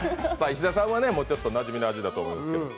石田さんはちょっとなじみの味だと思いますけれども。